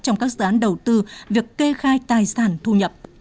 trong các dự án đầu tư việc kê khai tài sản thu nhập